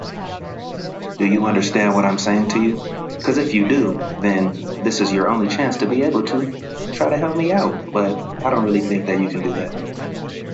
It is used to compare densities of petroleum liquids.